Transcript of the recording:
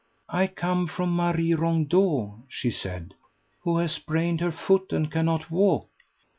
"I come from Marie Rondeau," she said, "who has sprained her foot and cannot walk.